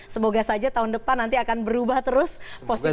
semoga saja tahun depan nanti akan berubah terus posisinya